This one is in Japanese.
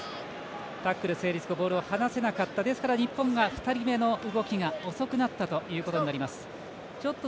タックル成立後ボールを放さなかったですから日本が２人目の動きが遅くなったということになります